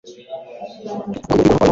kuko bigabanya kwikubanaho.kwawe nawe